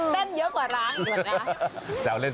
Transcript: เต้นเยอะกว่าร้างอีกหมดนะ